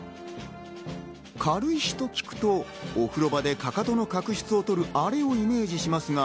軽石と聞くと、お風呂場でかかとの角質を取るあれをイメージしますが。